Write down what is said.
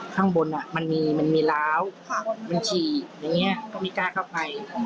ข้างบนมันมีมันมีล้าวมันฉีกอย่างนี้ก็ไม่กล้าเข้าไป